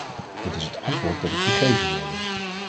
Dit is het antwoord dat ik u geven wilde.